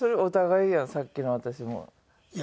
いや「さっきの私も」